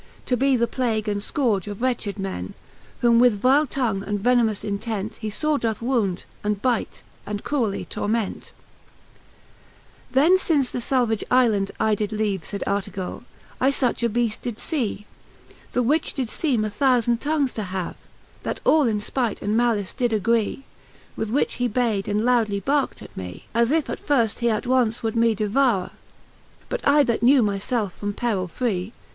To be the plague and fcourge of wretched men: Whom with vile tongue and venemous intent He lore doth wound, and bite, and cruelly torment. IX. Then Cant. I. the Faerie Queene, lop IX. Then fince the falvage Ifland I did leave Sayd udrtegally I fuch a Beast did fee, The which did ieeme a thoufand tongues to have, That all in fpight and malice did agree, With which he bayd and loudly barkt at mee, As if that he attonce would me devoure. But I, that knew my ielfe from peril! free.